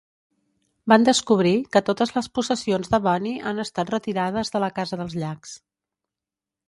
Van descobrir que totes les possessions de Bunny han estat retirades de la casa dels Llacs.